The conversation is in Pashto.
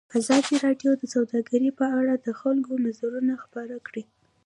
ازادي راډیو د سوداګري په اړه د خلکو نظرونه خپاره کړي.